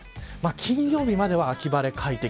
金曜日までは秋晴れ快適。